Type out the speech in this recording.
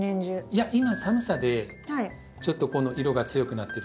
いや今寒さでちょっとこの色が強くなってるというか。